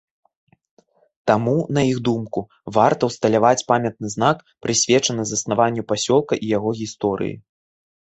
Таму, на іх думку, варта ўсталяваць памятны знак, прысвечаны заснаванню пасёлка і яго гісторыі.